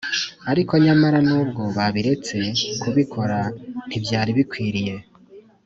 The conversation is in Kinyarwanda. ariko nyamara nubwo babiretse kubikora ntibyari bikwiriye